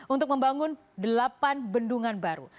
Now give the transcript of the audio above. untuk membangun delapan bendungan baru